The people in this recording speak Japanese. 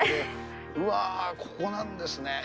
うわー、ここなんですね。